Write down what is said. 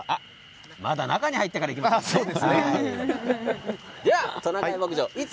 まだ中に入ってからいきましょう。